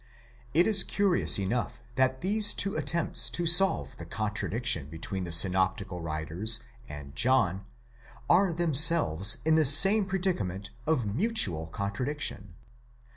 It is curious enough that these two attempts to solve the contradiction between the synoptical writers and John, are them selves in the same predicament of mutual contradiction.